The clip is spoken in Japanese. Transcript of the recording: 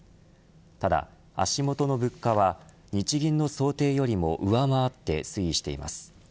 ただ、足元の物価は日銀の想定よりも上回って推移しています。